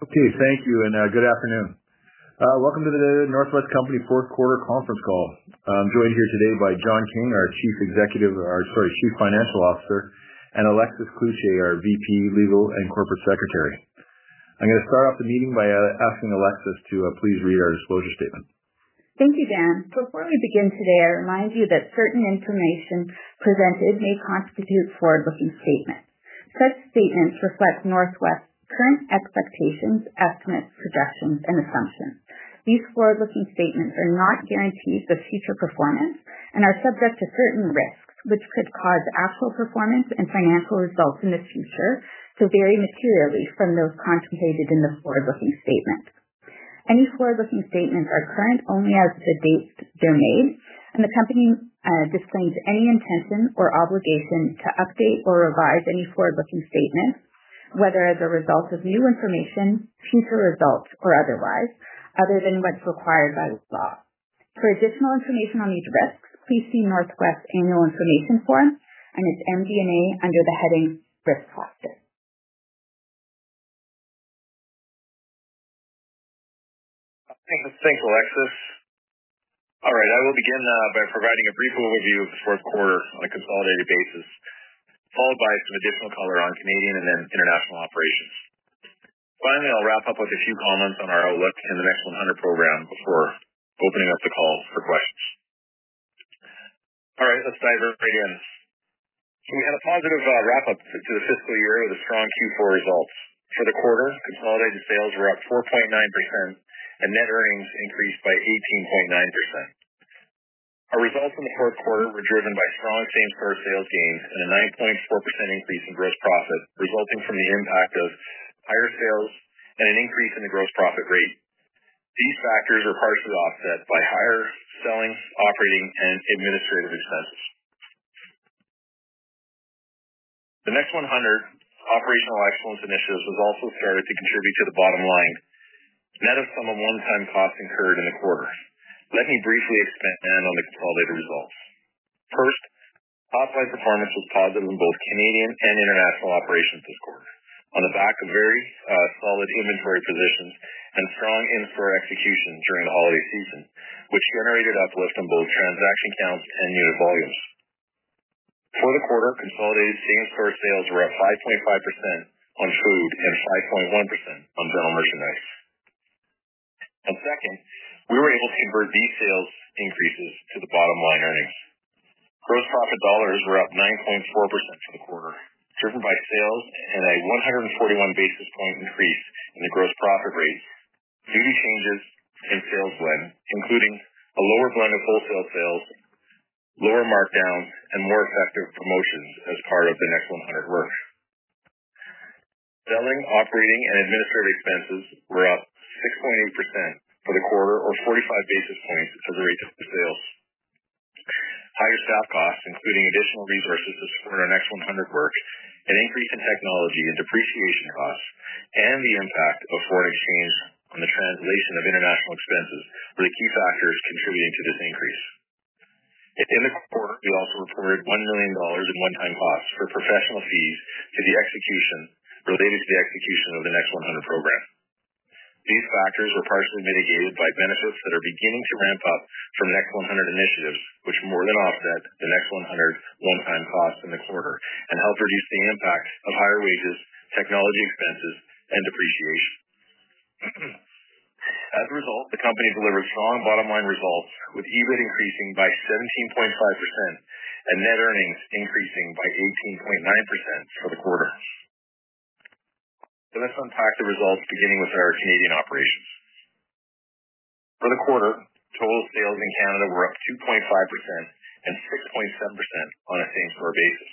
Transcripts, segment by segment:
Okay, thank you and good afternoon. Welcome to the North West Company Fourth Quarter Conference Call. I'm joined here today by John King, our Chief Financial Officer, and Alexis Cloutier, our VP, Legal and Corporate Secretary. I'm going to start off the meeting by asking Alexis to please read our disclosure statement. Thank you, Dan. Before we begin today, I remind you that certain information presented may constitute forward-looking statements. Such statements reflect North West's current expectations, estimates, projections, and assumptions. These forward-looking statements are not guarantees of future performance and are subject to certain risks, which could cause actual performance and financial results in the future to vary materially from those contemplated in the forward-looking statement. Any forward-looking statements are current only as the dates they're made, and the company disclaims any intention or obligation to update or revise any forward-looking statement, whether as a result of new information, future results, or otherwise, other than what's required by law. For additional information on these risks, please see North West's Annual Information Form and its MD&A under the heading Risk Factors. Thanks, Alexis. All right, I will begin by providing a brief overview of the fourth quarter on a consolidated basis, followed by some additional color on Canadian and then international operations. Finally, I'll wrap up with a few comments on our outlook and the Next 100 program before opening up the call for questions. All right, let's dive right in. We had a positive wrap-up to the fiscal year with a strong Q4 result. For the quarter, consolidated sales were up 4.9% and net earnings increased by 18.9%. Our results in the fourth quarter were driven by strong same-store sales gains and a 9.4% increase in gross profit, resulting from the impact of higher sales and an increase in the gross profit rate. These factors were partially offset by higher selling, operating, and administrative expenses. The Next 100 operational excellence initiatives was also started to contribute to the bottom line, net of some one-time costs incurred in the quarter. Let me briefly expand on the consolidated results. First, top-line performance was positive in both Canadian and international operations this quarter, on the back of very solid inventory positions and strong in-store execution during the holiday season, which generated uplift in both transaction counts and unit volumes. For the quarter, consolidated same-store sales were up 5.5% on food and 5.1% on general merchandise. We were able to convert these sales increases to the bottom line earnings. Gross profit dollars were up 9.4% for the quarter, driven by sales and a 141 basis point increase in the gross profit rate due to changes in sales blend, including a lower blend of wholesale sales, lower markdowns, and more effective promotions as part of the Next 100 work. Selling, operating, and administrative expenses were up 6.8% for the quarter, or 45 basis points as a rate of sales. Higher staff costs, including additional resources to support our Next 100 work, an increase in technology and depreciation costs, and the impact of foreign exchange on the translation of international expenses were the key factors contributing to this increase. In the quarter, we also reported $1 million in one-time costs for professional fees related to the execution of the Next 100 program. These factors were partially mitigated by benefits that are beginning to ramp up from Next 100 initiatives, which more than offset the Next 100 one-time costs in the quarter and help reduce the impact of higher wages, technology expenses, and depreciation. As a result, the company delivered strong bottom-line results, with EBIT increasing by 17.5% and net earnings increasing by 18.9% for the quarter. Let's unpack the results, beginning with our Canadian operations. For the quarter, total sales in Canada were up 2.5% and 6.7% on a same-store basis.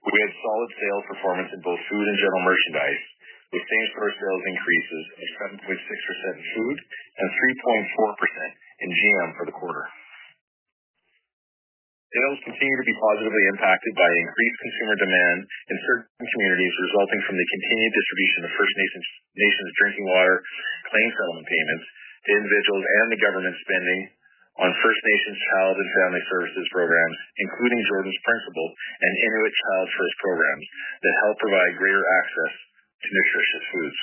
We had solid sales performance in both food and general merchandise, with same-store sales increases of 7.6% in food and 3.4% in GM for the quarter. Sales continue to be positively impacted by increased consumer demand in certain communities, resulting from the continued distribution of First Nations Drinking Water claim settlement payments to individuals and the government spending on First Nations Child and Family Services programs, including Jordan's Principle and Inuit Child First programs that help provide greater access to nutritious foods.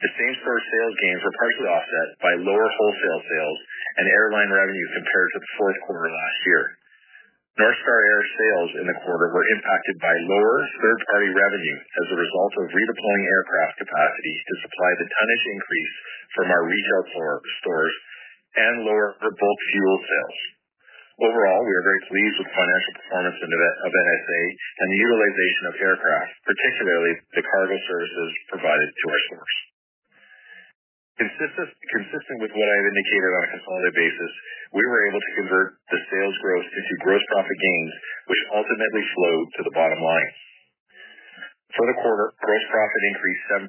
The same-store sales gains were partially offset by lower wholesale sales and airline revenue compared to the fourth quarter last year. North Star Air sales in the quarter were impacted by lower third-party revenue as a result of redeploying aircraft capacity to supply the tonnage increase from our retail stores and lower bulk fuel sales. Overall, we are very pleased with the financial performance of North Star Air and the utilization of aircraft, particularly the cargo services provided to our stores. Consistent with what I have indicated on a consolidated basis, we were able to convert the sales growth into gross profit gains, which ultimately flowed to the bottom line. For the quarter, gross profit increased 7%,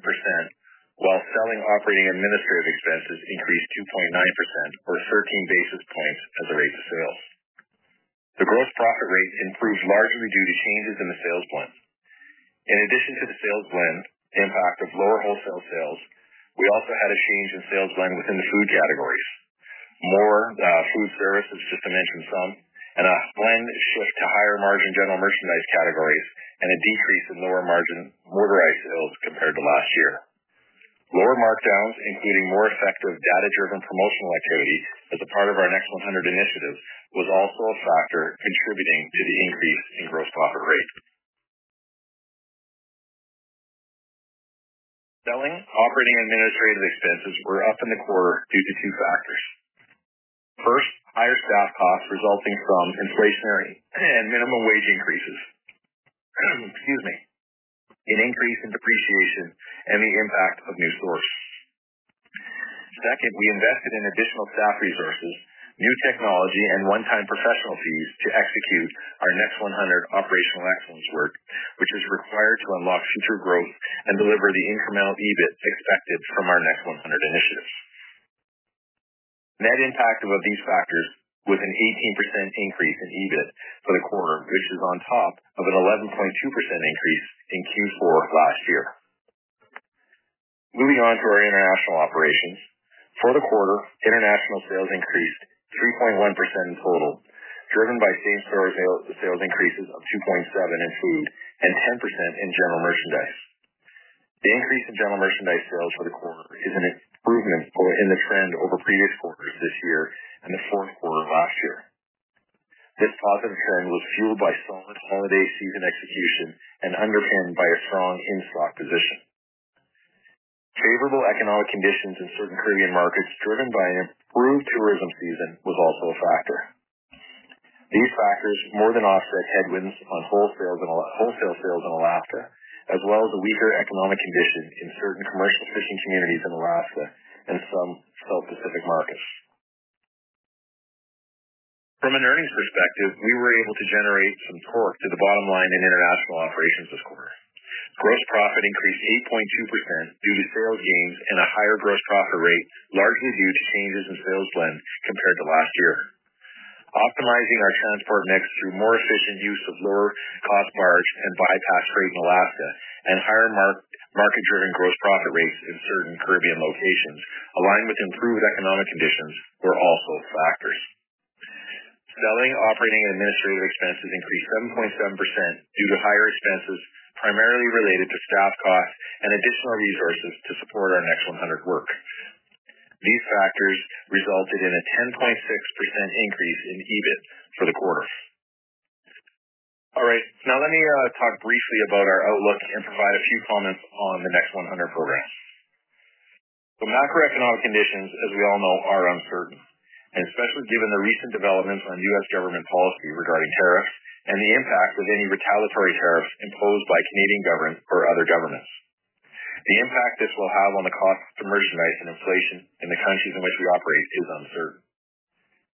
while selling, operating, and administrative expenses increased 2.9%, or 13 basis points as a rate of sales. The gross profit rate improved largely due to changes in the sales blend. In addition to the sales blend impact of lower wholesale sales, we also had a change in sales blend within the food categories: more food services, just to mention some, and a blend shift to higher margin general merchandise categories and a decrease in lower margin motorized sales compared to last year. Lower markdowns, including more effective data-driven promotional activity as a part of our Next 100 initiatives, was also a factor contributing to the increase in gross profit rate. Selling, operating, and administrative expenses were up in the quarter due to two factors. First, higher staff costs resulting from inflationary and minimum wage increases, an increase in depreciation, and the impact of new stores. Second, we invested in additional staff resources, new technology, and one-time professional fees to execute our Next 100 operational excellence work, which is required to unlock future growth and deliver the incremental EBIT expected from our Next 100 initiatives. Net impact of these factors was an 18% increase in EBIT for the quarter, which is on top of an 11.2% increase in Q4 last year. Moving on to our international operations, for the quarter, international sales increased 3.1% in total, driven by same-store sales increases of 2.7% in food and 10% in general merchandise. The increase in general merchandise sales for the quarter is an improvement in the trend over previous quarters this year and the fourth quarter last year. This positive trend was fueled by solid holiday season execution and underpinned by a strong in-stock position. Favorable economic conditions in certain Caribbean markets, driven by an improved tourism season, were also a factor. These factors more than offset headwinds on wholesale sales in Alaska, as well as a weaker economic condition in certain commercial fishing communities in Alaska and some South Pacific markets. From an earnings perspective, we were able to generate some torque to the bottom line in international operations this quarter. Gross profit increased 8.2% due to sales gains and a higher gross profit rate, largely due to changes in sales blend compared to last year. Optimizing our transport mix through more efficient use of lower cost barge and bypass freight in Alaska and higher market-driven gross profit rates in certain Caribbean locations, along with improved economic conditions, were also factors. Selling, operating, and administrative expenses increased 7.7% due to higher expenses primarily related to staff costs and additional resources to support our Next 100 work. These factors resulted in a 10.6% increase in EBIT for the quarter. All right, now let me talk briefly about our outlook and provide a few comments on the Next 100 program. The macroeconomic conditions, as we all know, are uncertain, especially given the recent developments on U.S. government policy regarding tariffs and the impact of any retaliatory tariffs imposed by Canadian government or other governments. The impact this will have on the cost of merchandise and inflation in the countries in which we operate is uncertain.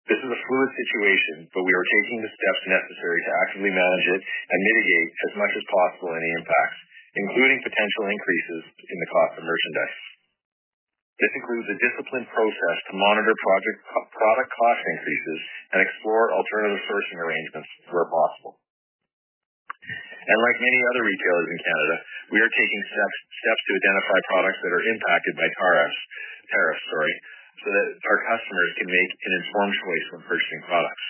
This is a fluid situation, but we are taking the steps necessary to actively manage it and mitigate as much as possible any impacts, including potential increases in the cost of merchandise. This includes a disciplined process to monitor product cost increases and explore alternative sourcing arrangements where possible. Like many other retailers in Canada, we are taking steps to identify products that are impacted by tariffs so that our customers can make an informed choice when purchasing products.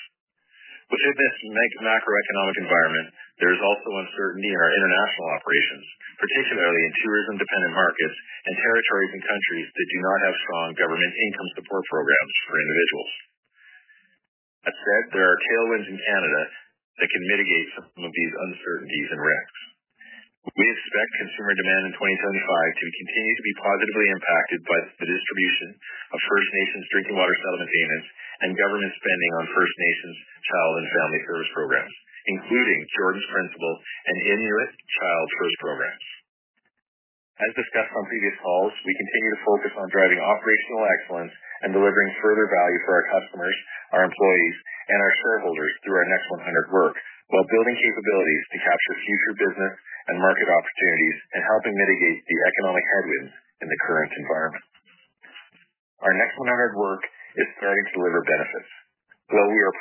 Within this macroeconomic environment, there is also uncertainty in our international operations, particularly in tourism-dependent markets and territories and countries that do not have strong government income support programs for individuals. That said, there are tailwinds in Canada that can mitigate some of these uncertainties and risks. We expect consumer demand in 2025 to continue to be positively impacted by the distribution of First Nations Drinking Water Settlement payments and government spending on First Nations Child and Family Services programs, including Jordan's Principle and Inuit Child First programs. As discussed on previous calls, we continue to focus on driving operational excellence and delivering further value for our customers, our employees, and our shareholders through our Next 100 work, while building capabilities to capture future business and market opportunities and helping mitigate the economic headwinds in the current environment. Our Next 100 work is starting to deliver benefits. While we are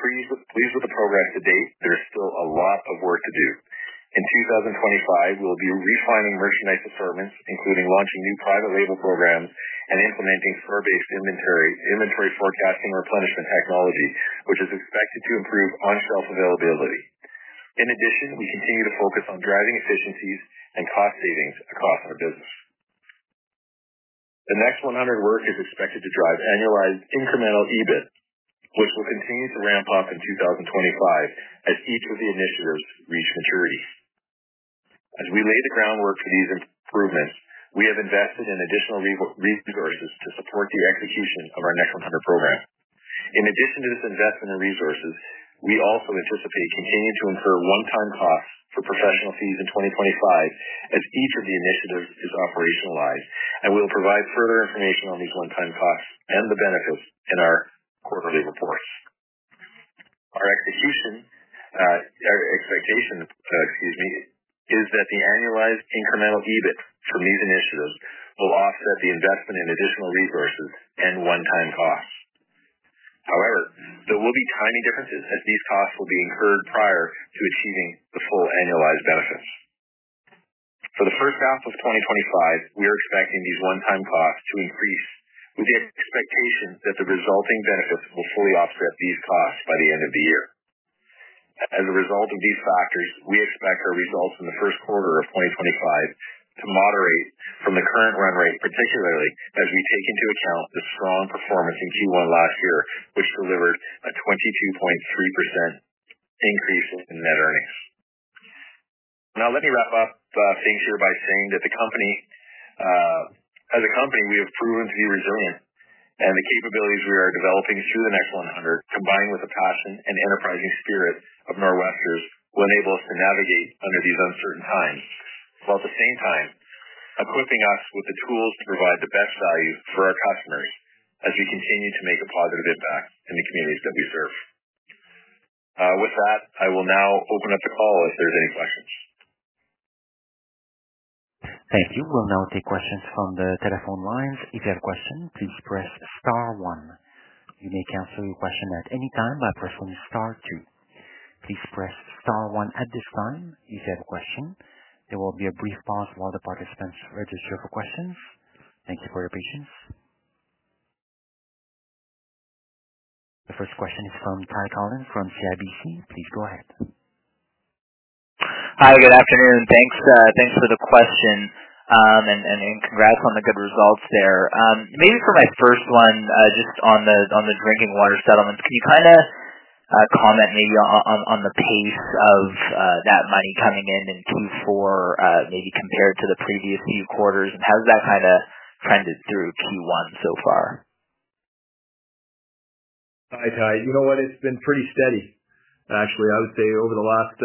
pleased with the progress to date, there is still a lot of work to do. In 2025, we will be refining merchandise assortments, including launching new private label programs and implementing store-based inventory forecasting replenishment technology, which is expected to improve on-shelf availability. In addition, we continue to focus on driving efficiencies and cost savings across our business. The Next 100 work is expected to drive annualized incremental EBIT, which will continue to ramp up in 2025 as each of the initiatives reach maturity. As we lay the groundwork for these improvements, we have invested in additional resources to support the execution of our Next 100 program. In addition to this investment in resources, we also anticipate continuing to incur one-time costs for professional fees in 2025 as each of the initiatives is operationalized, and we will provide further information on these one-time costs and the benefits in our quarterly reports. Our expectation is that the annualized incremental EBIT from these initiatives will offset the investment in additional resources and one-time costs. However, there will be timing differences as these costs will be incurred prior to achieving the full annualized benefits. For the first half of 2025, we are expecting these one-time costs to increase, with the expectation that the resulting benefits will fully offset these costs by the end of the year. As a result of these factors, we expect our results in the first quarter of 2025 to moderate from the current run rate, particularly as we take into account the strong performance in Q1 last year, which delivered a 22.3% increase in net earnings. Now, let me wrap up things here by saying that as a company, we have proven to be resilient, and the capabilities we are developing through the Next 100, combined with the passion and enterprising spirit of North West, will enable us to navigate under these uncertain times, while at the same time equipping us with the tools to provide the best value for our customers as we continue to make a positive impact in the communities that we serve. With that, I will now open up the call if there are any questions. Thank you. We will now take questions from the telephone lines. If you have a question, please press star one. You may cancel your question at any time by pressing star two. Please press star one at this time if you have a question. There will be a brief pause while the participants register for questions. Thank you for your patience. The first question is from Ty Collin from CIBC. Please go ahead. Hi, good afternoon. Thanks for the question, and congrats on the good results there. Maybe for my first one, just on the Drinking Water settlements, can you kind of comment maybe on the pace of that money coming in in Q4, maybe compared to the previous few quarters, and how has that kind of trended through Q1 so far? Hi, Ty. You know what? It's been pretty steady. Actually, I would say over the last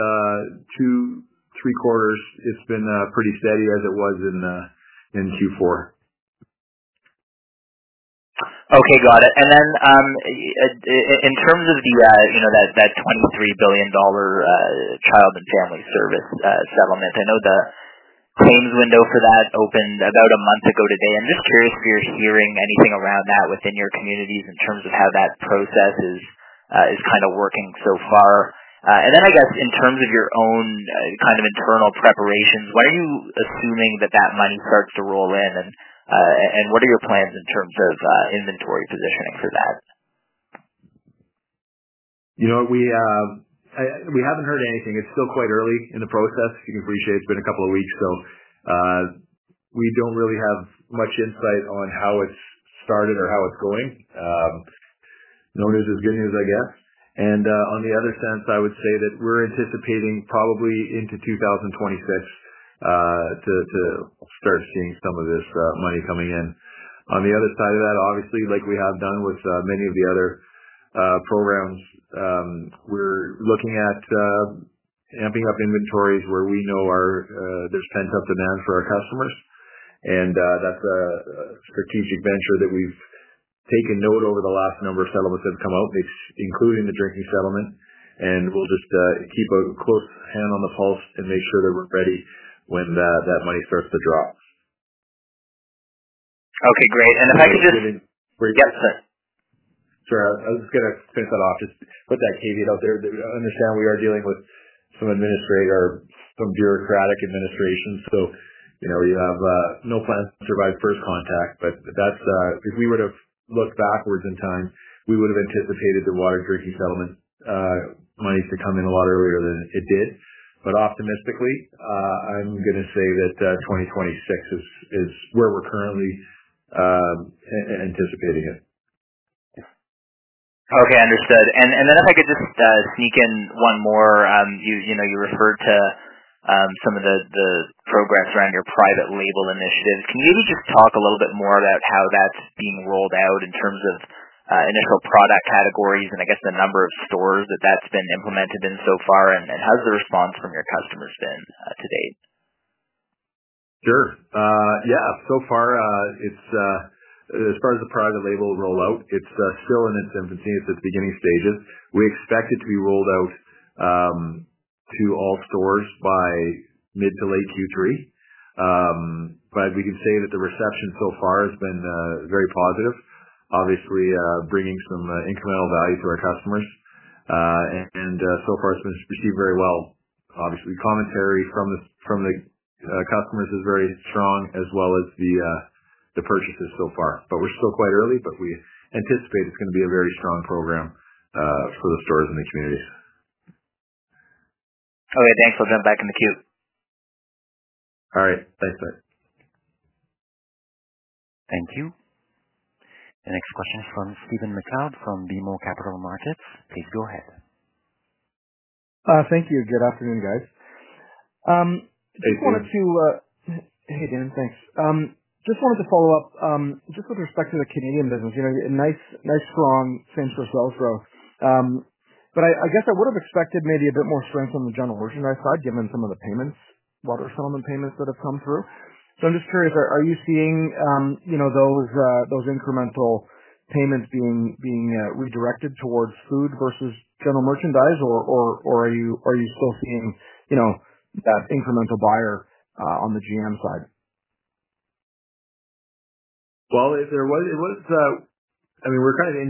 2-3 quarters, it's been pretty steady as it was in Q4. Okay, got it. And then in terms of that $23 billion Child and Family Service settlement, I know the claims window for that opened about a month ago today. I'm just curious if you're hearing anything around that within your communities in terms of how that process is kind of working so far. I guess in terms of your own kind of internal preparations, when are you assuming that that money starts to roll in, and what are your plans in terms of inventory positioning for that? You know what? We haven't heard anything. It's still quite early in the process. You can appreciate it's been a couple of weeks, so we don't really have much insight on how it's started or how it's going. No news is good news, I guess. In the other sense, I would say that we're anticipating probably into 2026 to start seeing some of this money coming in. On the other side of that, obviously, like we have done with many of the other programs, we're looking at amping up inventories where we know there's pent-up demand for our customers. That is a strategic venture that we've taken note of over the last number of settlements that have come out, including the drinking settlement. We will just keep a close hand on the pulse and make sure that we're ready when that money starts to drop. Okay, great. If I could just—Yes, sir. Sorry, I was just going to finish that off. Just put that caveat out there. I understand we are dealing with some bureaucratic administration, so we have no plans to survive first contact, but if we were to look backwards in time, we would have anticipated the Water Drinking settlement money to come in a lot earlier than it did. Optimistically, I'm going to say that 2026 is where we're currently anticipating it. Okay, understood. If I could just sneak in one more. You referred to some of the progress around your private label initiative. Can you maybe just talk a little bit more about how that's being rolled out in terms of initial product categories and I guess the number of stores that that's been implemented in so far, and how's the response from your customers been to date? Sure. Yeah, so far, as far as the private label rollout, it's still in its infancy. It's at the beginning stages. We expect it to be rolled out to all stores by mid-to-late Q3, but we can say that the reception so far has been very positive, obviously bringing some incremental value to our customers. So far, it's been received very well. Obviously, commentary from the customers is very strong, as well as the purchases so far. We're still quite early, but we anticipate it's going to be a very strong program for the stores and the communities. Okay, thanks. I'll jump back in the queue. All right. Thanks, Ty. Thank you. The next question is from Stephen MacLeod from BMO Capital Markets. Please go ahead. Thank you. Good afternoon, guys. Just wanted to—Hey, Daniel. Thanks. Just wanted to follow up just with respect to the Canadian business. Nice strong same-store sales growth. I guess I would have expected maybe a bit more strength on the general merchandise side given some of the water settlement payments that have come through. I'm just curious, are you seeing those incremental payments being redirected towards food versus general merchandise, or are you still seeing that incremental buyer on the GM side? I mean, we're kind of in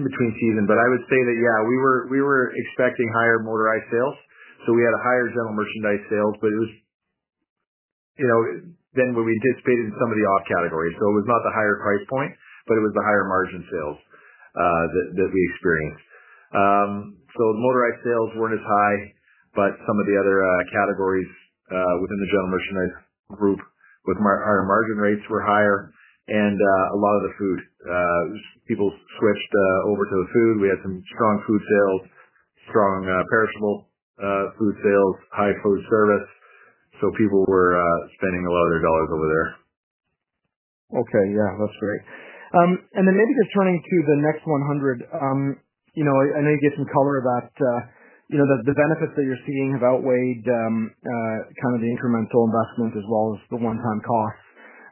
between season, but I would say that, yeah, we were expecting higher motorized sales, so we had higher general merchandise sales, but it was then what we anticipated in some of the off-categories. It was not the higher price point, but it was the higher margin sales that we experienced. The motorized sales were not as high, but some of the other categories within the general merchandise group with higher margin rates were higher, and a lot of the food. People switched over to the food. We had some strong food sales, strong perishable food sales, high food service, so people were spending a lot of their dollars over there. Okay, yeah, that's great. Maybe just turning to the Next 100, I know you gave some color about the benefits that you're seeing have outweighed kind of the incremental investment as well as the one-time costs.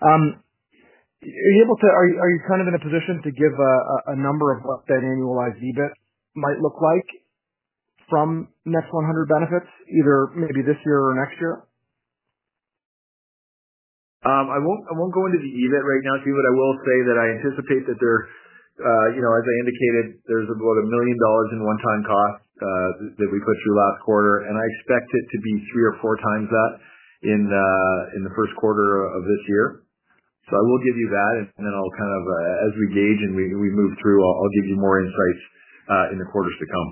Are you able to—are you kind of in a position to give a number of what that annualized EBIT might look like from Next 100 benefits, either maybe this year or next year? I won't go into the EBIT right now, Stephen, but I will say that I anticipate that there—as I indicated, there's about $1 million in one-time cost that we put through last quarter, and I expect it to be 3x or 4x that in the first quarter of this year. I will give you that, and then I'll kind of, as we gauge and we move through, I'll give you more insights in the quarters to come.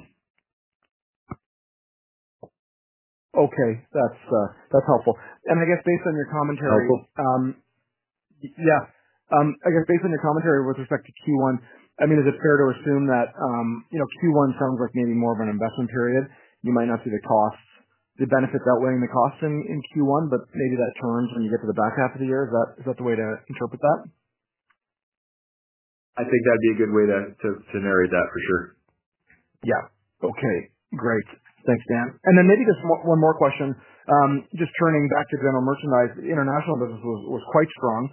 Okay, that's helpful. I guess based on your commentary—yeah. I guess based on your commentary with respect to Q1, is it fair to assume that Q1 sounds like maybe more of an investment period? You might not see the benefits outweighing the costs in Q1, but maybe that turns when you get to the back half of the year. Is that the way to interpret that? I think that would be a good way to narrate that for sure. Yeah. Okay, great. Thanks, Dan. Maybe just one more question. Just turning back to general merchandise, the international business was quite strong.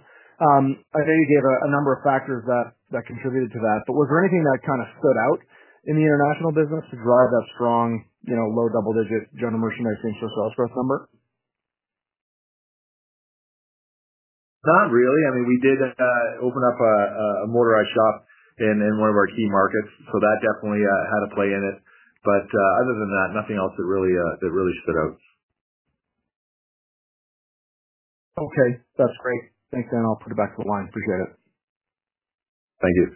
I know you gave a number of factors that contributed to that, but was there anything that kind of stood out in the international business to drive that strong low double-digit general merchandise same-store sales growth number? Not really. I mean, we did open up a motorized shop in one of our key markets, so that definitely had a play in it. Other than that, nothing else that really stood out. Okay, that's great. Thanks, Dan. I'll put it back to the line. Appreciate it. Thank you.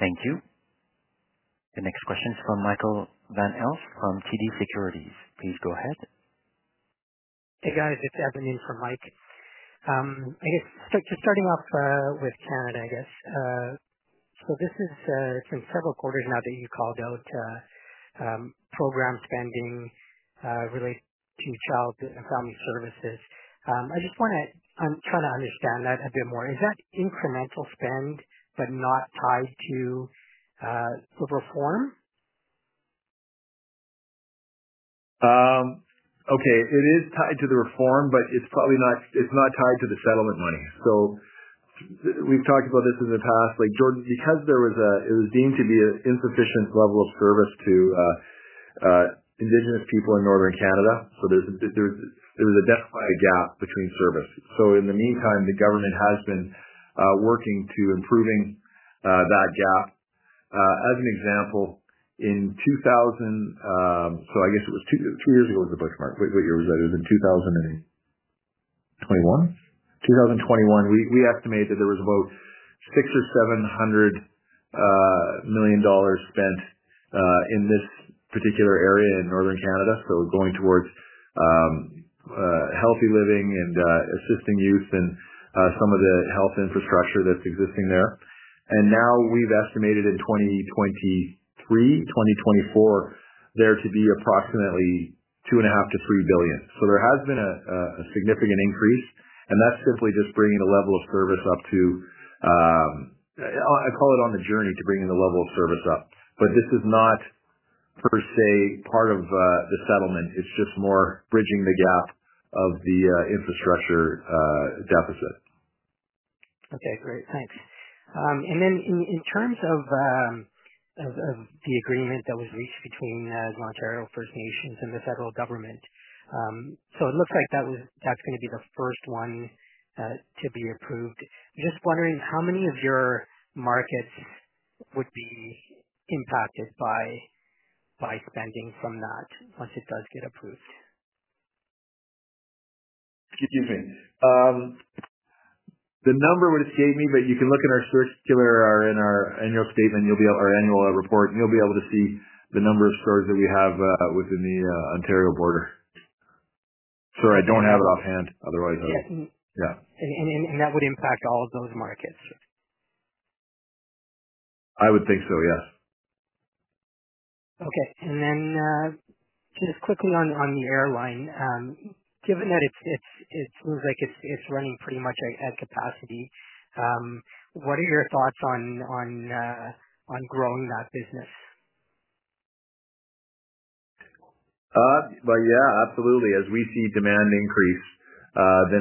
Thank you. The next question is from Michael Van Aelst from TD Securities. Please go ahead. Hey, guys. It's Adam Newman from Mike. I guess just starting off with Canada, I guess. This has been several quarters now that you called out program spending related to Child and Family Services. I just want to—I'm trying to understand that a bit more. Is that incremental spend but not tied to the reform? Okay. It is tied to the reform, but it's not tied to the settlement money. We've talked about this in the past. Jordan, because it was deemed to be an insufficient level of service to Indigenous people in Northern Canada, so there was a definite gap between service. In the meantime, the government has been working to improving that gap. As an example, in 2000—I guess it was three years ago was the bookmark. What year was that? It was in 2021. 2021. We estimate that there was about $600 million-$700 million spent in this particular area in Northern Canada, going towards healthy living and assisting youth and some of the health infrastructure that's existing there. Now we've estimated in 2023, 2024, there to be approximately $2.5 billion-$3 billion. There has been a significant increase, and that's simply just bringing the level of service up to—I call it on the journey to bringing the level of service up. This is not per se part of the settlement. It's just more bridging the gap of the infrastructure deficit. Okay, great. Thanks. In terms of the agreement that was reached between the Ontario First Nations and the federal government, it looks like that's going to be the first one to be approved. Just wondering how many of your markets would be impacted by spending from that once it does get approved? Excuse me. The number would escape me, but you can look in our circular or in our annual statement, our annual report, and you'll be able to see the number of stores that we have within the Ontario border. Sorry, I don't have it offhand. Otherwise, I would—yeah. That would impact all of those markets? I would think so, yes. Okay. Just quickly on the airline, given that it seems like it's running pretty much at capacity, what are your thoughts on growing that business? Yeah, absolutely. As we see demand increase,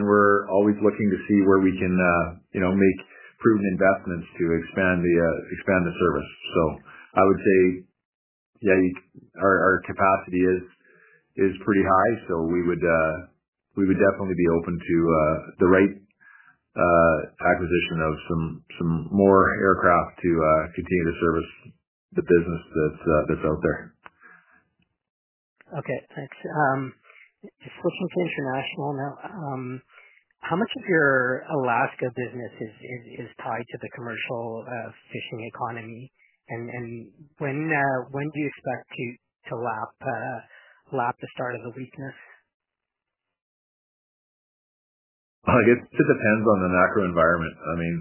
we're always looking to see where we can make prudent investments to expand the service. I would say our capacity is pretty high, so we would definitely be open to the right acquisition of some more aircraft to continue to service the business that's out there. Okay, thanks. Just switching to international now. How much of your Alaska business is tied to the commercial fishing economy, and when do you expect to lap the start of the weakness? I guess it depends on the macro environment. I mean,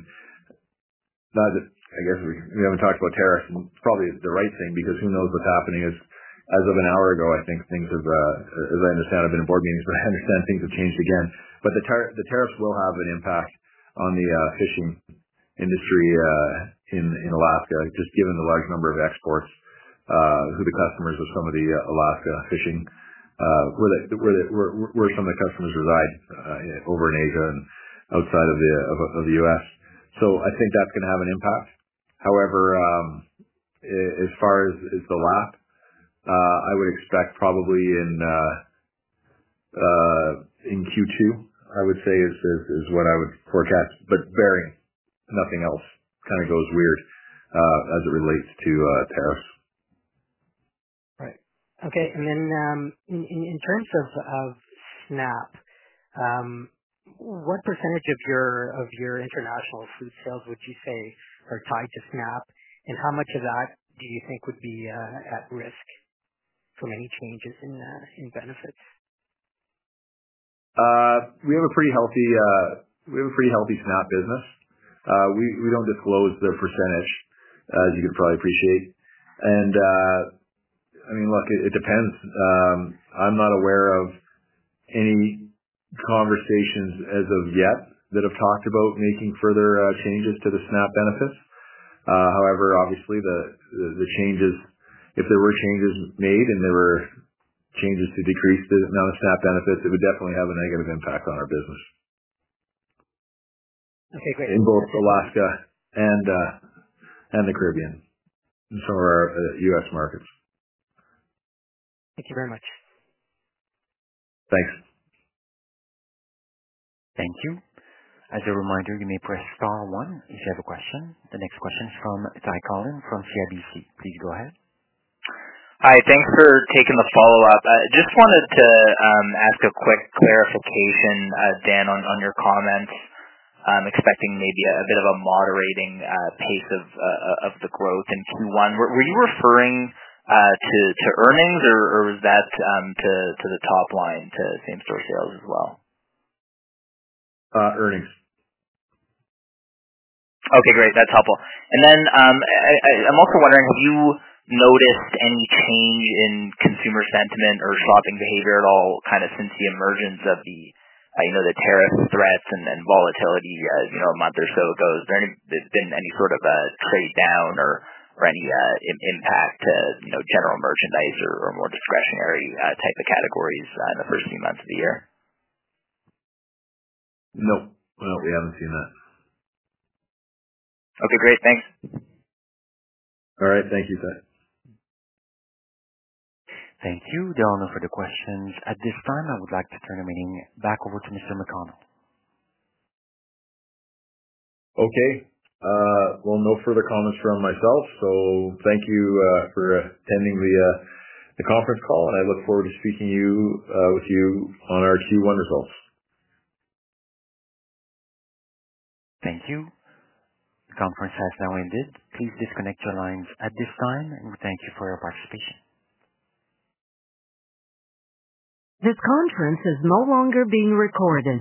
I guess we haven't talked about tariffs and probably the right thing because who knows what's happening as of an hour ago. I think things have—as I understand, I've been in board meetings, but I understand things have changed again. The tariffs will have an impact on the fishing industry in Alaska, just given the large number of exports, who the customers of some of the Alaska fishing, where some of the customers reside over in Asia and outside of the U.S. I think that's going to have an impact. However, as far as the lap, I would expect probably in Q2, I would say, is what I would forecast, but bearing nothing else kind of goes weird as it relates to tariffs. Right. Okay. In terms of SNAP, what percentage of your international food sales would you say are tied to SNAP, and how much of that do you think would be at risk from any changes in benefits? We have a pretty healthy SNAP business. We do not disclose the percentage, as you could probably appreciate. I mean, look, it depends. I am not aware of any conversations as of yet that have talked about making further changes to the SNAP benefits. However, obviously, if there were changes made and there were changes to decrease the amount of SNAP benefits, it would definitely have a negative impact on our business. Okay, great. In both Alaska and the Caribbean and some of our U.S. markets. Thank you very much. Thanks. Thank you. As a reminder, you may press star one if you have a question. The next question is from Ty Collin from CIBC. Please go ahead. Hi. Thanks for taking the follow-up. Just wanted to ask a quick clarification, Dan, on your comments, expecting maybe a bit of a moderating pace of the growth in Q1. Were you referring to earnings, or was that to the top line, to same-store sales as well? Earnings. Okay, great. That's helpful. I am also wondering, have you noticed any change in consumer sentiment or shopping behavior at all kind of since the emergence of the tariff threats and volatility a month or so ago? Has there been any sort of a trade down or any impact to general merchandise or more discretionary type of categories in the first few months of the year? Nope. No, we haven't seen that. Okay, great. Thanks. All right. Thank you, sir. Thank you, Dan, for the questions. At this time, I would like to turn the meeting back over to Mr. McConnell. Okay. No further comments from myself, so thank you for attending the conference call, and I look forward to speaking with you on our Q1 results. Thank you. The conference has now ended. Please disconnect your lines at this time, and we thank you for your participation. This conference is no longer being recorded.